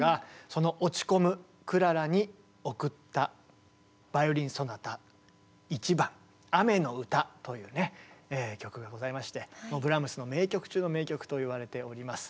その落ち込むクララに贈ったバイオリン・ソナタ１番「雨の歌」という曲がございましてブラームスの名曲中の名曲といわれております。